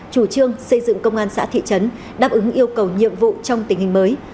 chủ trương xây dựng công an xã thị trấn đáp ứng yêu cầu nhiệm vụ trong tình hình mới